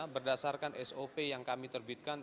berdasarkan sop yang kami terbitkan